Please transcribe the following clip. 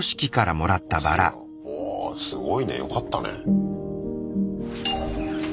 ああすごいねよかったね。